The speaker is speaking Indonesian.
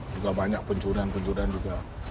juga banyak pencuran pencuran juga